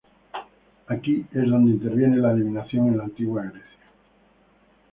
Aquí es donde interviene la adivinación en la Antigua Grecia.